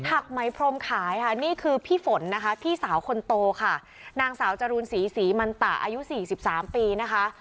หักไหมพรมขายค่ะนี่คือพี่ฝนนะคะพี่สาวคนโตค่ะนางสาวจรูนศรีศรีมันตะอายุสี่สิบสามปีนะคะ